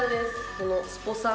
このスポサン。